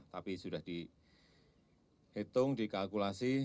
tapi sudah dihitung dikalkulasi